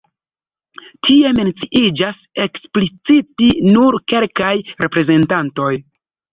Tie menciiĝas eksplicite nur kelkaj reprezentantoj.